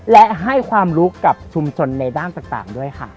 และให้ความรู้กับชุมชนในด้านต่างด้วยค่ะ